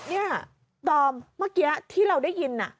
นี่ดอมเมื่อกี้ที่เราได้ยิน